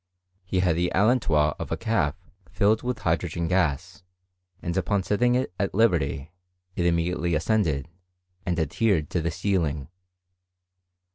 He had the allentois of a calf filled with hydrogen gas, and upon setting it at liberty, it immediately ascended, and adhered to the ceiling.